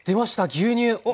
牛乳！